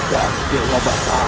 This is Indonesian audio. jaga dewa batang